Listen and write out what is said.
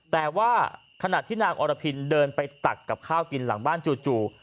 แต่ว่าขณะที่นางอรพินเดินไปตักกับข้าวกินหลังบ้านจู่